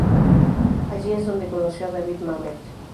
Allí es donde conoció a David Mamet.